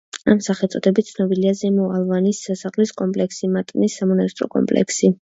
ამ სახელწოდებით ცნობილია ზემო ალვანის სასახლის კომპლექსი, მატნის სამონასტრო კომპლექსი.